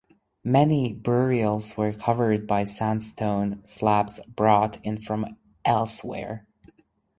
Many burials were covered by sandstone slabs brought in from elsewhere.